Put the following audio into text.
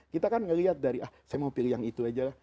kita kan ngelihat dari ah saya mau pilih yang itu aja lah